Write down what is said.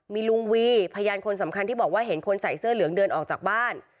มีลุงวีพยานคนสำคัญที่บอกว่าเห็นคนใส่เสื้อเหลืองเดินออกจากบ้าน